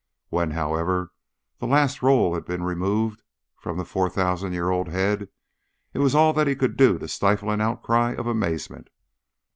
When, however, the last roll had been removed from the four thousand year old head, it was all that he could do to stifle an outcry of amazement.